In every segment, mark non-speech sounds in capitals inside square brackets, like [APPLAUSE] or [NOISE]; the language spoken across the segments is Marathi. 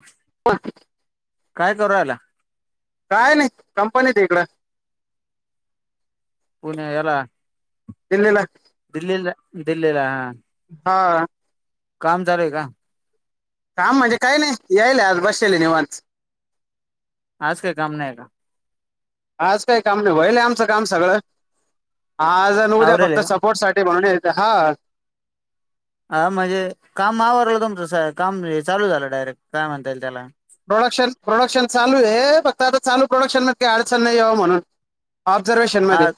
हो हां काय करू राहिला? काय नाही कंपनी येत इकडं पुणे येला दिल्लीला. दिल्लील, दिल्लीला हा हा काम चालय का? काम म्हणजे काय नाही यायल आज बसलेले निवांत आज काय काम नाही ना. आज काही काम नाही हो्हायल आमचं काम सगळं आज द्या आवरेल फक्त आहे का सपोर्ट साठी म्हणून येते हा हा म्हणजे काम आवरारलं तुमचं काम चालू झालं. डायरेक्ट काय म्हणता येईल त्याला प्रोडक्शन प्रोडक्शन चालू आहे फक्त आता चालू प्रोडक्शन मग काही अडचण नाही यावं म्हणून. ऑब्झर्वेशन मध्ये हा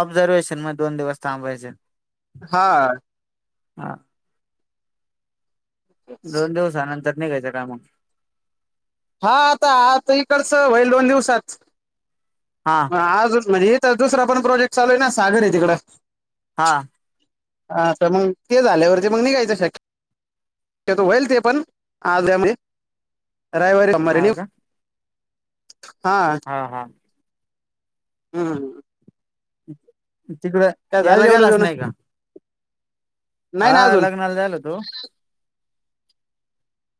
ऑब्झर्वेशन मग दोन दिवस थांबायचे. हा हा दोन दिवसानंतर नाही हा आता आता इकडच होईल दोन दिवसात. हा मग आज म्हणजे इ तर दुसरा पण प्रोजेक्ट चालू आहे ना सागर आहे तिककं. हा हा तर मग ते झाल्यावरती मग निघायचं शक्य त्यातो होईल ते पण आजरा म हा का [UNINTELLIGIBLE] हा हां. हम् ह तिकडं काय झालं याला जेवण गेलाच बिवण नाही का? हा लग्नाला जायला तू.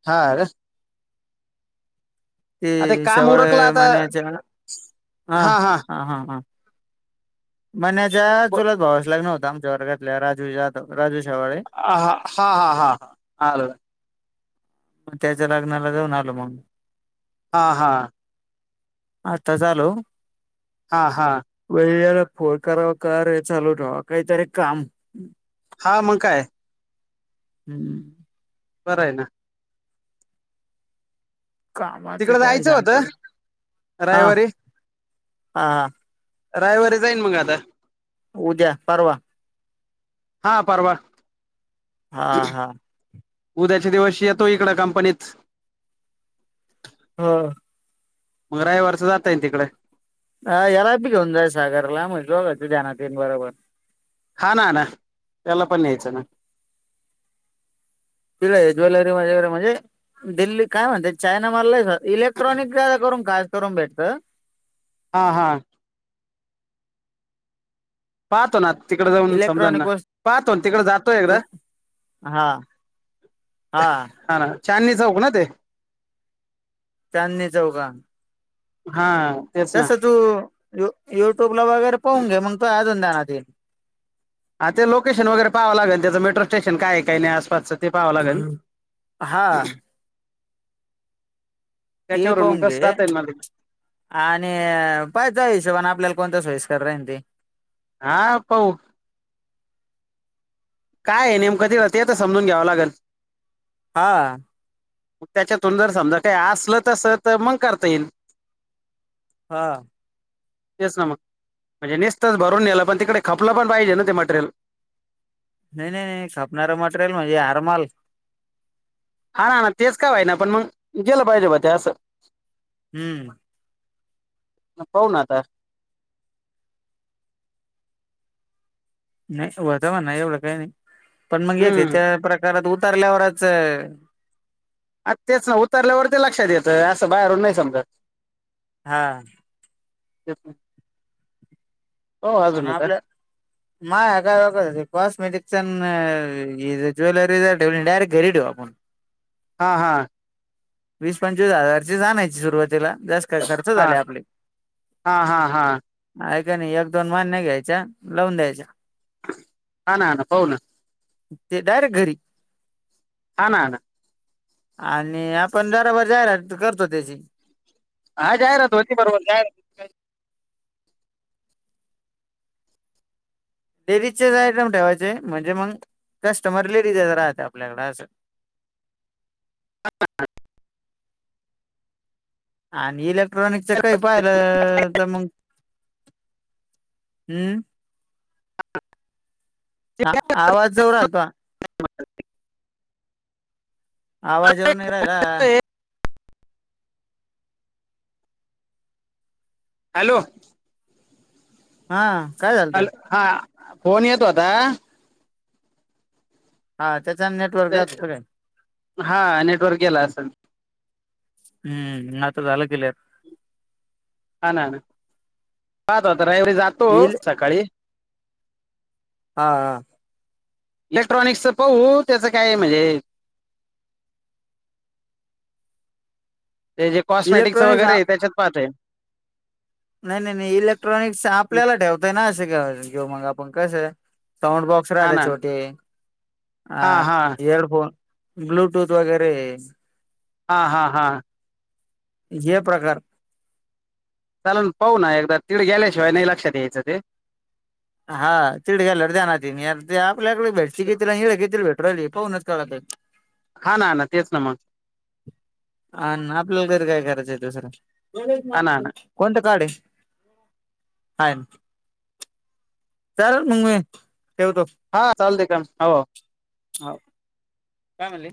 ह ते आता काम उरकलं शेवाळे आता मण्याच्या हा हा हा हा हां म्हण्याच्या ब- चुलात भावास लाग न होतं आमच्या वर्गातल्या राजू जाधव राजू शवाळे ह हा हा हा हा हा ह. मग त्याच्या लग्नाला जाऊन आल मग हा हा आत्ताच आलो. हा हा वला फोन करावा कर चाू ठ काहीत काम हा मग काय? हम्म बरं आहे ना? कामाचं तिकडे काय जायचं होतं झालं? हा रविवारी हा रायवारी जाईन मग आता. उद्या, परवा. हा परवा, हा हा उद्याच्या दिवशी येतो इकड कंपनीच हा, मग रयवारच जाताय ना तिकडे. अ याला पी घेऊन जाईन सागरला म्हणजे बघाच धनातील येईल बरोबर. हा ना नाना त्याला पण न्यायच ना, तिकडे ज्वेलरी वगैरे म्हणजे दिल्ली काय म्हणते चायना माल लय इलेक्ट्रॉनिक [UNINTELLIGIBLE] करून खास करून भेटतं. हा हा, पाहतो ना, तिकडे जाऊन समजल इलेक्ट्रॉनिक ना, वस्तू पाहतो तिकड जातोय एकदा हा हा, चांदणी चौक ना ते, चांदनी चौक हा. हा तेच ना तस तू यु युट्यूब ला वगैरे, पाहून घे मग तूया अजून ध्यानात येईल. ह ते लोकेशन वगैरे पावं लागेल त्याच मेट्रो स्टेशन काय का नाही आसपासच. ते पाव लागल. हम्म. हा ते त्याच्यावरून मग पाहुन तसं घे. जाता येईल मला आणि पाहि त्यो हिशोबाने आपल्याला कोणत्या सोईस्कर राहिल ते. हा पाहू काय नेमक तिकड तेय तर समजून घ्यावं लागेल. हा त्याच्यातून जर समजा काही असल तस तर मग करता येईल. हा तेच ना मग म्हणजे नसतच भरून नेलं पण तिकडे, खपलं पण पाहिजे ना ते मटरेयल. नाही नाही नाही खापणारं मटेरियल म्हणजे आरमाल. हा नाना तेच काय वाहि ना पण, मग गेलं पाहिजे ब ते असं. हम्म पाहु ना आता नाशिबत आहे म्हणा एवढं काही नाही पण मग हे जे का हम्म त्या प्रकारात उतारल्यावरच आ तेच ना उतरल्यावर ते लक्षात येत असं बाहेरून नाही समजत. हा [UNINTELLIGIBLE] हो आणि अजून आता आपलं, मा ह्या काय डोक्यात कॉस्मेटिक्सच आणि ज्वेलरीच डायरेक्ट घरी ठेऊ आपण. हा हा वीस पंचवीस हजार ची आणायची सुरुवातीला जास्त खर्च हा झालं. आपले हा हा हा ऐकाय नाही एक दोन मान्य घ्यायच्या लावून द्यायच्या हा नाना पाहू ना. ते डायरेक्ट घरी. हा नाना. आणि आपण बरोबर जाहिरात करतो त्याची. हा जाहीरात होती बरोबर काय लेडीजचेच आयटम ठेवायचे म म्हणजे, मग कस्टमर लेडीजच राहते आपल्याकडे असं. ह आणि इलेक्ट्रॉनिकच काही पाहिलं तर मग. हम्म ह आवाज जऊ आलत. आवाज येवन इरायला. हॅलो! हा काय झालत. हॅलो हा फोन येतो आता. हा त्याचा. हा नेटवर्क गेला असेल. हम्मता झाल कल. हा ना ना पाहतता रविवारी जातो इल सकाळी. हा हा. इलेक्ट्रॉनिक्सचं पाहू त्याचं काय आहे म्हणजे ते जे कॉस्मेटिकच इलेक्ट्रॉनिक्स वगैरे त्याच्यात पाह आहे. नाही नाही नाही इलेक्ट्रॉनिक् आपल्याला ठेवताय ना अस घेऊ मग आपण कसं आहे साऊंड बॉक्स हा अक्षरध ना छोटे अ हा हा एअडफोन ब्लूटूथ वगैरे हा हा हा. हे प्रकार. चालून पाहू ना एकदा तिकडे गेल्याशिवाय नाही लक्षात यायचं ते. हा तिड घ्यायला त्या ना ते आपल्याकडे भेट घेतील आणि हड घेतील भेटली पाहूनच क- [INAUDIBLE] हा ना ना तेच ना मग. अ आपल्याला घरी काय करायचं आहे दुसरं. हा ना ना कोणतं काडे आहे काय. चालेल मग मी ठेवतो. हा चालते का हो. हो कामली